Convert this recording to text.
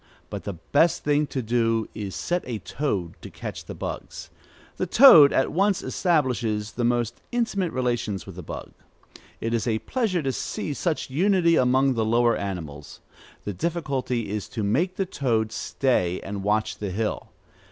But the best thing to do is set a toad to catch the bugs. The toad at once establishes the most intimate relations with the bug. It is a pleasure to see such unity among the lower animals. The difficulty is to make the toad stay and watch the hill.